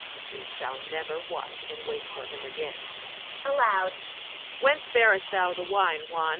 She shall never watch and wait for him again. [Aloud.] Whence bearest thou the wine, Juan?